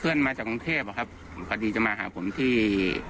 เพื่อนมาจากกรุงเทพครับพอดีจะมาหาผมที่